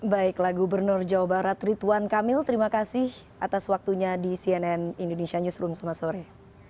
baiklah gubernur jawa barat rituan kamil terima kasih atas waktunya di cnn indonesia newsroom selamat sore